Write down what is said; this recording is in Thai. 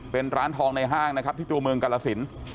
เป็นร้านทองในห้างนะครับที่ตัวเมืองกาลสิน